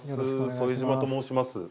副島と申します。